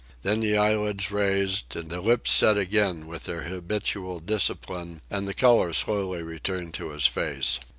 Then the eyelids raised, the lips set again with their habitual discipline, and the colour slowly returned to his face.